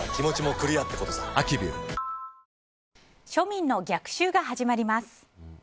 庶民の逆襲が始まります。